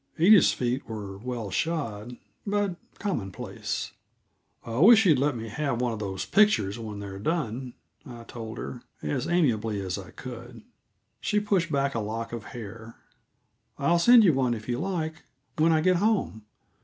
Edith's feet were well shod, but commonplace. "I wish you'd let me have one of those pictures when they're done," I told her, as amiably as I could. She pushed back a lock of hair. "I'll send you one, if you like, when I get home.